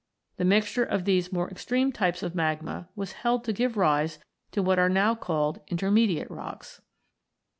The mixture of these more extreme types of magma was held to give rise to what are now called "inter mediate" rocks.